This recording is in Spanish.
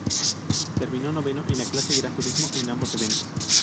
Terminó noveno en la clase Gran Turismo en ambos eventos.